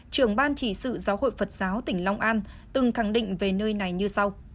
trưởng ban chỉ sự giáo hội phật giáo tỉnh long an từng khẳng định về nơi này như sau